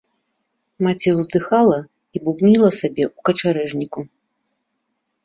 Маці ўздыхала і бубніла сабе ў качарэжніку.